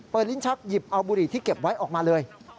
ลิ้นชักหยิบเอาบุหรี่ที่เก็บไว้ออกมาเลย